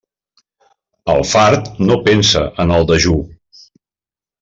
El fart no pensa en el dejú.